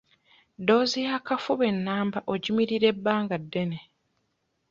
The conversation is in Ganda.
Ddoozi y'akafuba ennamba ogimirira ebbanga ddene